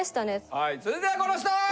はい続いてはこの人！